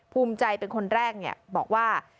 ภูมิใจเป็นคนแรกบอกว่า